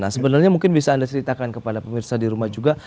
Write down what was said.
nah sebenarnya mungkin bisa anda ceritakan kepada pemirsa di rumah juga